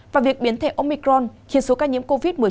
và việc biến thể omicron khiến số ca nhiễm covid một mươi chín